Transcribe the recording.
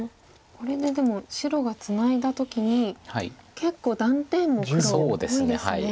これででも白がツナいだ時に結構断点も黒多いですね。